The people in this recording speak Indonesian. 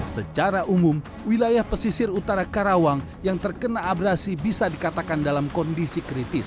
secara umum wilayah pesisir utara karawang yang terkena abrasi bisa dikatakan dalam kondisi kritis